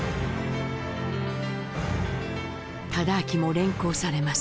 忠亮も連行されます。